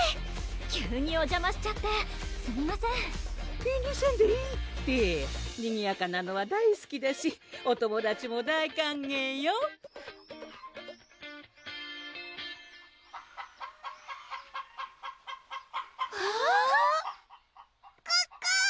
急にお邪魔しちゃってすみません気にせんでいいってにぎやかなのは大すきだしお友達も大歓迎よわぁこっこ！